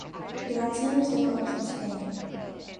The vaccine was developed in Spain.